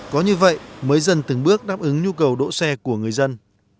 có như vậy mới dần từng bước đáp ứng nhu cầu đỗ xe của người dân